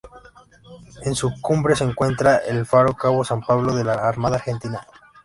En su cumbre se encuentra el Faro Cabo San Pablo de la Armada Argentina.